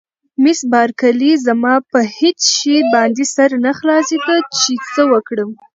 مس بارکلي: زما په هېڅ شي باندې سر نه خلاصېده چې څه وکړم.